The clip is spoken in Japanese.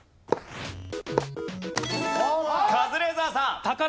カズレーザーさん。